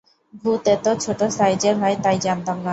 ভূত এত ছোট সাইজের হয়, তা-ই জানতাম না।